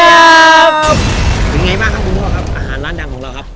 ครับเป็นไงบ้างครับคุณพ่อครับอาหารร้านดังของเราครับ